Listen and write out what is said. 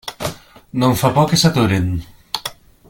No em fa por que s'aturin.